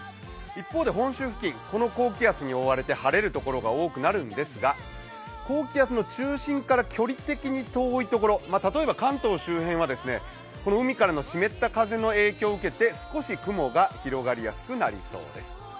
一方で本州付近、この高気圧に覆われて晴れる所が多くなるんですが、高気圧の中心から距離的に遠いところ、例えば関東周辺は海からの湿った空気の影響を受けて少し雲が広がりやすくなりそうです。